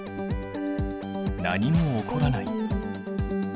何も起こらない。